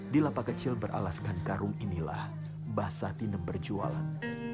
di lapak kecil beralaskan karung inilah bahsatinem berjualan